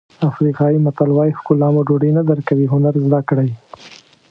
افریقایي متل وایي ښکلا مو ډوډۍ نه درکوي هنر زده کړئ.